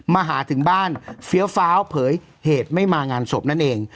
มาหาถึงบ้านเฟี้ยวฟ้าวเผยเหตุไม่มางานศพนั่นเอง